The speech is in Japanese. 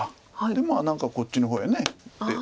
でまあ何かこっちの方へ打って。